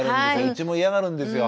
うちも嫌がるんですよ。